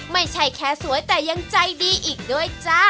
ไม่ใช่แค่สวยแต่ยังใจดีอีกด้วยจ้า